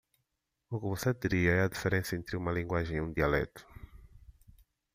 O que você diria é a diferença entre uma linguagem e um dialeto?